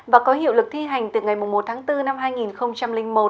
và có hiệu lực thi hành từ ngày một mươi một tháng bốn năm hai nghìn một